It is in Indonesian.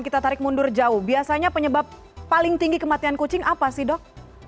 kita tarik mundur jauh biasanya penyebab paling tinggi kematian kucing apa sih dok